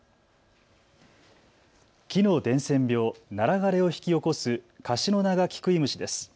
木の伝染病、ナラ枯れを引き起こすカシノナガキクイムシです。